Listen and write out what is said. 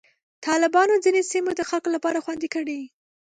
طالبانو ځینې سیمې د خلکو لپاره خوندي کړې.